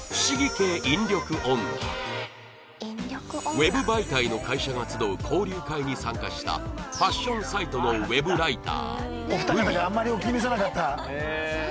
Ｗｅｂ 媒体の会社が集う交流会に参加したファッションサイトの Ｗｅｂ ライターフミ